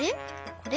これ？